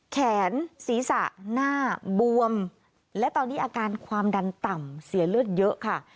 แขนศีรษะหน้าบวมและตอนนี้อาการความดันต่ำเสียเลือดเยอะค่ะ